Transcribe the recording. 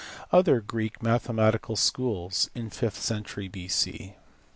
Other Greek Mathematical Schools in the fifth century B.C.